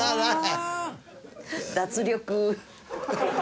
脱力！